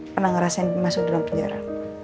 pernah ngerasain masuk dalam penjara